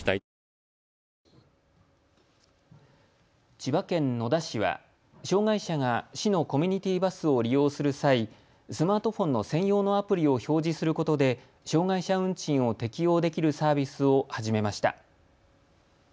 千葉県野田市は障害者が市のコミュニティバスを利用する際、スマートフォンの専用のアプリを表示することで障害者運賃を適用できるサービスを始めました。